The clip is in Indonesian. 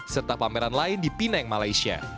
serta pameran lain di pineng malaysia